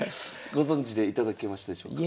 ご存じでいただけましたでしょうか？